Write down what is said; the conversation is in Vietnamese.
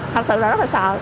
thật sự là rất là sợ